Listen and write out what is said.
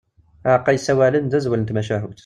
Aεeqqa yessawalen, d azwel n tmacahut.